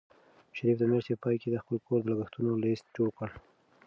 شریف د میاشتې په پای کې د خپل کور د لګښتونو لیست جوړ کړ.